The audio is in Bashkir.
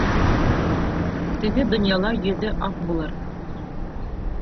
Теге донъяла йөҙө аҡ булыр.